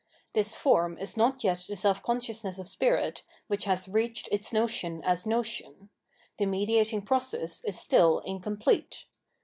This form is not yet the self consciousness of spirit which has reached its notion as notion ; the mediating process is still incomplete.